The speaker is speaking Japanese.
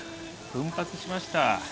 奮発しました。